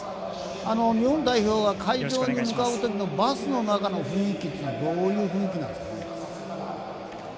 日本代表が会場に向かう時のバスの中の雰囲気はどういう雰囲気なんですかね。